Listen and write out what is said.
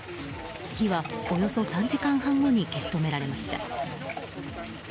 火はおよそ３時間半後に消し止められました。